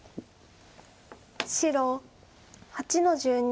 白８の十二。